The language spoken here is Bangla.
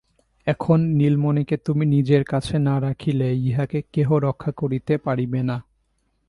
এখন নীলমণিকে তুমি নিজের কাছে না রাখিলে ইহাকে কেহ রক্ষা করিতে পারিবে না।